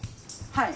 はい。